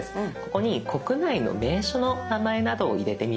ここに国内の名所の名前などを入れてみて下さい。